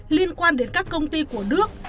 liên quan đến các công ty của đức